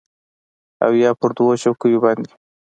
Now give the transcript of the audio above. او یا پر دوو چوکیو باندې